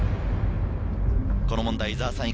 この問題伊沢さん